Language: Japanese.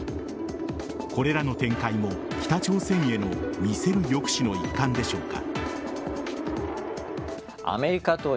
これらの展開も北朝鮮への見せる抑止の一環でしょうか。